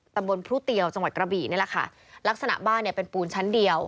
พลุเตียวจังหวัดกระบี่นี่แหละค่ะลักษณะบ้านเนี่ยเป็นปูนชั้นเดียว